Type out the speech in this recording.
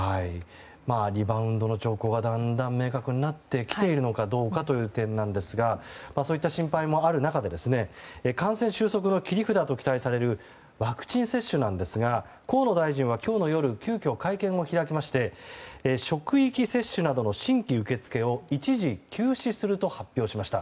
リバウンドの兆候がだんだん明確になってきているかどうかという点ですがそういった心配もある中で感染収束の切り札と期待されるワクチン接種なんですが河野大臣は今日の夜急きょ会見を開きまして職域接種などの新規受け付けを一時休止すると発表しました。